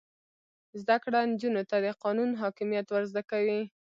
زده کړه نجونو ته د قانون حاکمیت ور زده کوي.